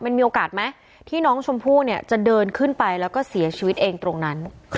มันมีโอกาสไหมที่น้องชมพู่เนี่ยจะเดินขึ้นไปแล้วก็เสียชีวิตเองตรงนั้น